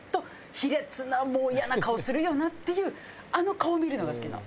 卑劣なイヤな顔するよなっていうあの顔を見るのが好きなの。